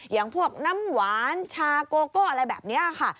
อย่างพวกน้ำหวานชาโกโก้อะไรแบบนี้ค่ะ